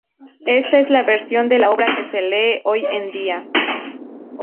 Esta es la versión de la obra que se lee hoy en día.